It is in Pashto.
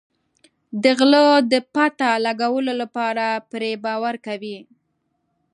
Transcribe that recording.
د غله د پته لګولو لپاره پرې باور کوي.